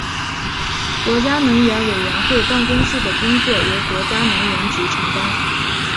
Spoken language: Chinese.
国家能源委员会办公室的工作由国家能源局承担。